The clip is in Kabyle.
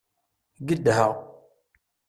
Gedha.